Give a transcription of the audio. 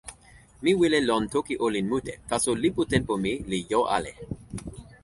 mi wile lon toki olin mute, taso lipu tenpo mi li jo ale.